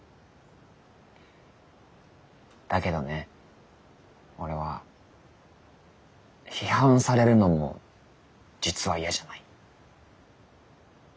だけどね俺は批判されるのも実は嫌じゃない。